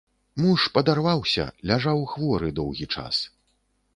Муж падарваўся, ляжаў хворы доўгі час.